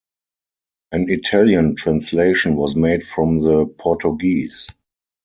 An Italian translation was made from the Portuguese.